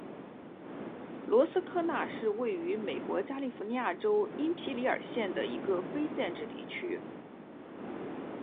罗斯科纳是位于美国加利福尼亚州因皮里尔县的一个非建制地区。